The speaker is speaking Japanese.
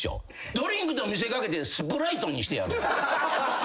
ドリンクと見せ掛けてスプライトにしてやる。